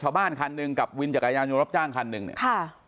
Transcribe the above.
คันหนึ่งกับวินจักรยานยนต์รับจ้างคันหนึ่งเนี่ยค่ะ